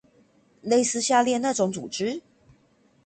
類似下列那種組織？